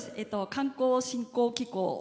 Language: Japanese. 観光振興機構。